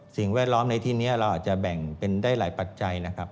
แวดล้อมในที่นี้เราอาจจะแบ่งเป็นได้หลายปัจจัยนะครับ